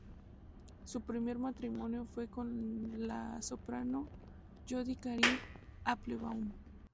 Su primer matrimonio fue con la soprano Jody Karin Applebaum.